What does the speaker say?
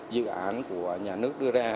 dự án của nhà nước đưa ra